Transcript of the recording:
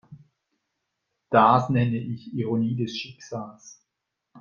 Das nenne ich Ironie des Schicksals.